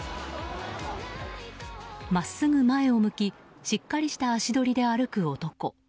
真っすぐ前を向きしっかりした足取りで歩く男。